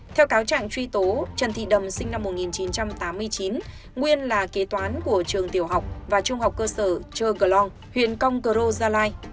theo cáo trạng truy tố trần thị đầm sinh năm một nghìn chín trăm tám mươi chín nguyên là kế toán của trường tiểu học và trung học cơ sở trơ cờ long huyện cong cờ rô gia lai